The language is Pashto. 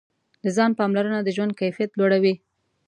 د ځان پاملرنه د ژوند کیفیت لوړوي.